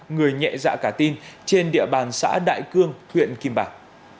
người nhẹ dạ cả tin trên địa bàn xã đại cương huyện kim bảng